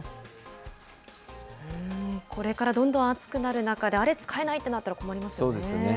これからどんどん暑くなる中で、あれ使えないってなったら、困りますよね。